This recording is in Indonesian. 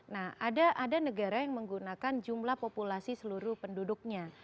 nah ada negara yang menggunakan jumlah populasi seluruh penduduknya